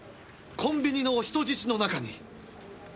コンビニの人質の中に。